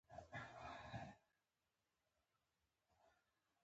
د سیاست لغوی معنا : سیاست عربی کلمه ده.